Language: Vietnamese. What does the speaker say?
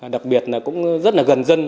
đặc biệt là cũng rất là gần dân